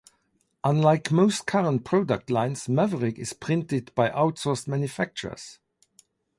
Unlike most current product lines, Maverick is printed by outsourced manufacturers.